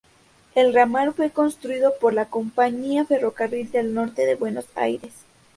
El ramal fue construido por la compañía Ferrocarril del Norte de Buenos Aires.